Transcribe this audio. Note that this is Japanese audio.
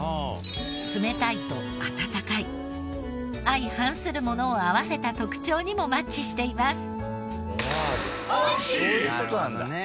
相反するものを合わせた特徴にもマッチしています。